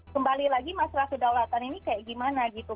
kembali lagi masalah kedaulatan ini kayak gimana gitu